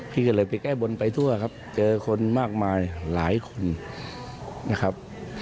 พี่ก็เลยไปแก้บนไปทั่วครับเจอคนมากมายหลายคนนะครับ